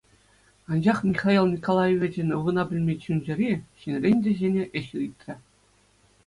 Анчах Михаил Николаевичӑн ывӑна пӗлмен чун-чӗри ҫӗнӗрен те ҫӗнӗ ĕç ыйтрӗ.